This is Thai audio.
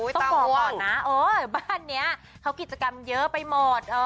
ต้องบอกก่อนนะบ้านนี้เขากิจกรรมเยอะไปหมด